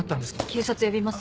警察呼びます。